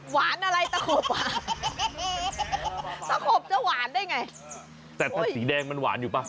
อะไรตะขบอ่ะตะขบจะหวานได้ไงแต่ถ้าสีแดงมันหวานอยู่ป่ะ